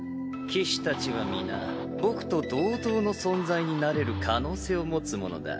騎士たちは皆僕と同等の存在になれる可能性を持つ者だ。